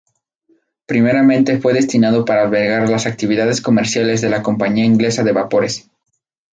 Primeramente fue destinado para albergar las actividades comerciales de la Compañía Inglesa de Vapores.